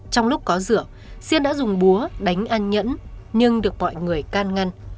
trong lúc có rượu siên đã dùng búa đánh anh nhẫn nhưng được mọi người can ngăn